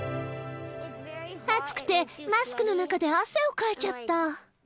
暑くて、マスクの中で汗をかいちゃった。